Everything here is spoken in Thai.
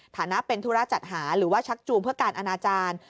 ฐานะเป็นธุระจัดหาหรือว่าชักจูงเพื่อการอนาจารย์